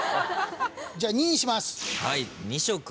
じゃあ２にします。